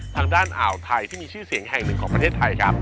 อ่าวไทยที่มีชื่อเสียงแห่งหนึ่งของประเทศไทยครับ